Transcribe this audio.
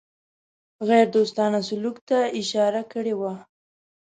غیردوستانه سلوک ته اشاره کړې وه.